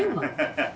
ハハハハ。